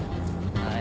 はい。